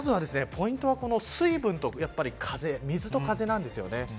ポイントは水分と風水と風なんですよね。